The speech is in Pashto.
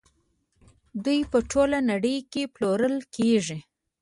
دوی په ټوله نړۍ کې پلورل کیږي.